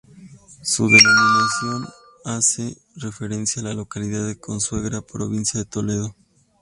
Su denominación hace referencia a la localidad de Consuegra, provincia de Toledo.